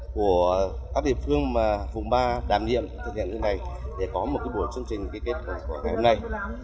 của các địa phương mà vùng ba đảm niệm thực hiện như thế này để có một buổi chương trình ký kết của ngày hôm nay